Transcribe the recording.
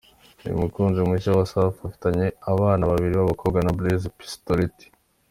Uyu mukunzi mushya wa Safi afitanye abana babiri b’abakobwa na Blaise Pistoletti.